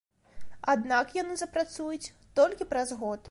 Аднак яны запрацуюць толькі праз год.